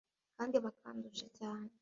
kandi bakandusha cyane